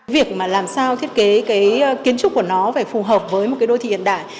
việc mà làm sao thiết kế kiến trúc của nó phải phù hợp với một đô thị hiện đại